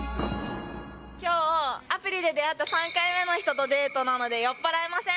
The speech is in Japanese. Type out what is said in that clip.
きょう、アプリで出会った３回目の人とデートなので、酔っ払えません。